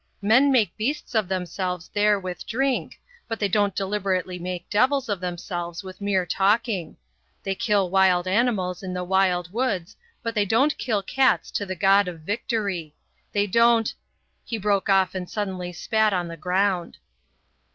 Men make beasts of themselves there with drink, but they don't deliberately make devils of themselves with mere talking. They kill wild animals in the wild woods, but they don't kill cats to the God of Victory. They don't " He broke off and suddenly spat on the ground.